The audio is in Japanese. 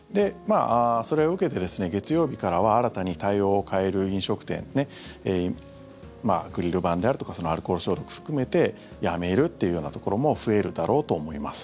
それを受けて、月曜日からは新たに対応を変える飲食店アクリル板であるとかアルコール消毒含めてやめるっていうようなところも増えるだろうと思います。